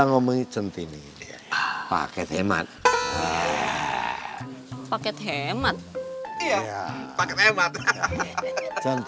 pakai temat pakai temat